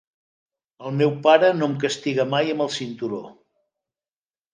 El meu pare no em castiga mai amb el cinturó.